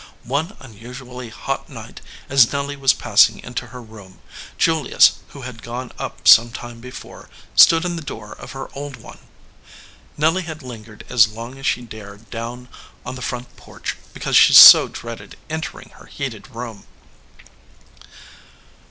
One unusually hot night, as Nelly was passing into her room, Julius, who had gone up some time before, stood in the door of her old one. Nelly had lingered as long as she dared down on the front porch because she so dreaded entering her heated room.